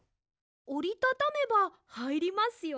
おりたためばはいりますよ。